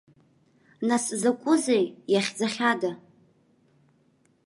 Нас закәызеи, иахьӡахьада?